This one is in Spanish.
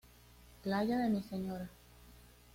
Playa de Mi Señora.